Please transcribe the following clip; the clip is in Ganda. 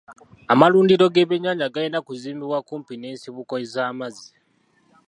Amalundiro g'ebyennyanja galina kuzimbibwa kumpi n'ensibuko z'amazzi.